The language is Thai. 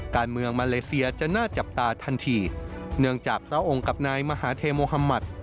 การเมืองมาเลเซียจะน่าจับตาทันทีเนื่องจากพระองค์กับนายมหาเทโมฮามัติ